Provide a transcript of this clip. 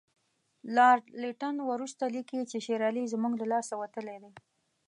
لارډ لیټن وروسته لیکي چې شېر علي زموږ له لاسه وتلی دی.